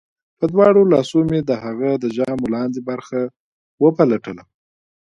په دواړو لاسو مې د هغه د ژامو لاندې برخه وپلټله